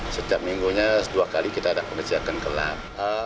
setiap minggunya dua kali kita ada penerjakan kelam